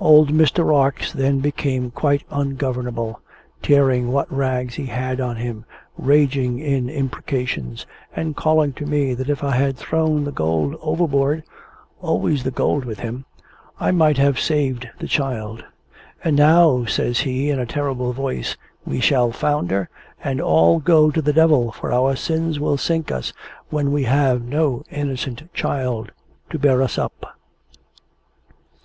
Old Mr. Rarx then became quite ungovernable, tearing what rags he had on him, raging in imprecations, and calling to me that if I had thrown the gold overboard (always the gold with him!) I might have saved the child. "And now," says he, in a terrible voice, "we shall founder, and all go to the Devil, for our sins will sink us, when we have no innocent child to bear us up!"